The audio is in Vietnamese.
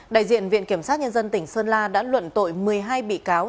đại diện viện kiểm sát nhân dân tỉnh sơn la đã luận tội một mươi hai bị cáo